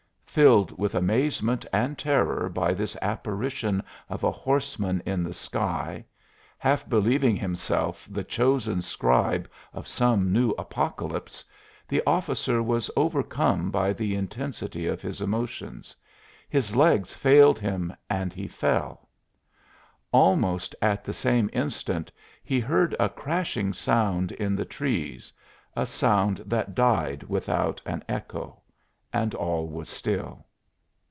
Filled with amazement and terror by this apparition of a horseman in the sky half believing himself the chosen scribe of some new Apocalypse, the officer was overcome by the intensity of his emotions; his legs failed him and he fell. Almost at the same instant he heard a crashing sound in the trees a sound that died without an echo and all was still.